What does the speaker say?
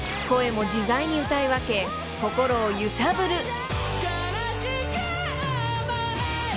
［声も自在に歌い分け心を揺さぶる］